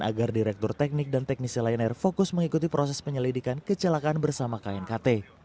agar direktur teknik dan teknisi lion air fokus mengikuti proses penyelidikan kecelakaan bersama knkt